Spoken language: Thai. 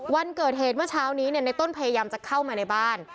วันเกิดเหตุเมื่อเช้านี้ในต้นพยายามจะเข้ามาในบ้าน